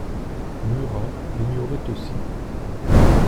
Murat l'ignorait aussi.